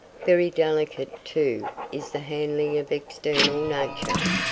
Very delicate, too, is the handling of external Nature.